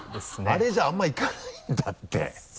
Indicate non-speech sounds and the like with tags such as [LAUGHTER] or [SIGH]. あれじゃあんまりいかないんだって [LAUGHS]